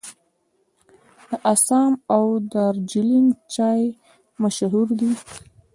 د اسام او دارجلینګ چای مشهور دی.